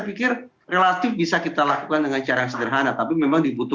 di kapal tural terserah kita melalui youtube atau twitter karena saatnya aku mau kniat